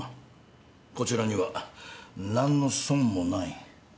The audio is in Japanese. こちらには何の損もない。